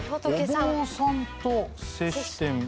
「お坊さんと接してみて」